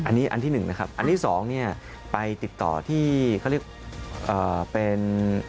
อันนี้อันที่หนึ่งนะครับอันที่สองเนี่ยไปติดต่อที่เขาเรียกเป็น